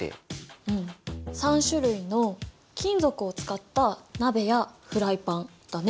うん３種類の金属を使った鍋やフライパンだね。